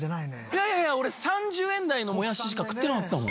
いやいやいや俺３０円台のもやししか食ってなかったもん。